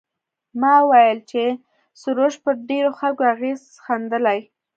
ما وویل چې سروش پر ډېرو خلکو اغېز ښندلی.